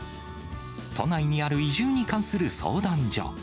都内にある移住に関する相談所。